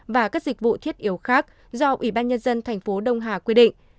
và các dịch vụ thiết yếu khác do ủy ban nhân dân tp đông hà quy định